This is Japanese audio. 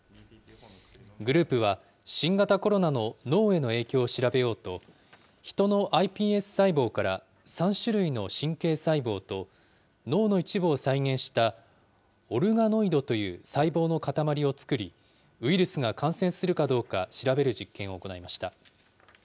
グループは、新型コロナの脳への影響を調べようと、ヒトのｉＰＳ細胞から３種類の神経細胞と、脳の一部を再現したオルガノイドという細胞のかたまりを作り、ウイルスが感染するかどうか調べる実験を行いました。